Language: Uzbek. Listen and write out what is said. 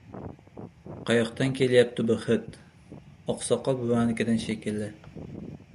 Qayoqdan kelyapti bu hid? Oqsoqol buvanikidan shekilli.